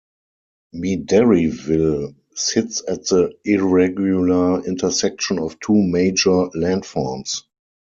Medaryville sits at the irregular intersection of two major landforms.